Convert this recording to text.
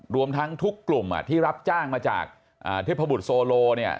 รวมทั้งทุกกลุ่มที่รับจ้างมาจากเทพบุตรโซโลเนี่ย